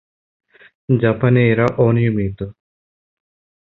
জাপানে এরা অনিয়মিত।